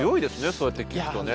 そうやって聞くとね。